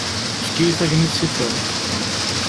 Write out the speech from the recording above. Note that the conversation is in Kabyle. Efk-iyi tagnit-iḍen.